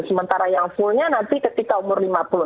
sementara yang fullnya nanti ketika umur lima puluh